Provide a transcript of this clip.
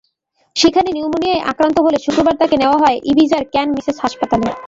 সেখানেই নিউমোনিয়ায় আক্রান্ত হলে শুক্রবার তাঁকে নেওয়া হয় ইবিজার ক্যান মিসেস হাসপাতালে।